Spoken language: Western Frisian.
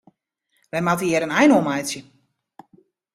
Wy moatte hjir in ein oan meitsje.